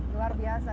luar biasa ya